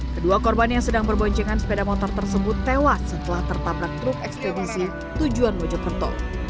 kedua korban yang sedang berboncengan sepeda motor tersebut tewas setelah tertabrak truk ekspedisi tujuan mojokerto